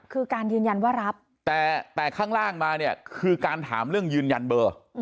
คือการยืนยันว่ารับแต่ข้างล่างมาเนี่ยคือการถามเรื่องยืนยันเบอร์